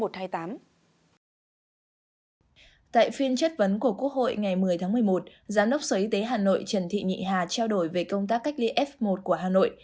tại phiên chất vấn của quốc hội ngày một mươi tháng một mươi một giám đốc sở y tế hà nội trần thị nhị hà trao đổi về công tác cách ly f một của hà nội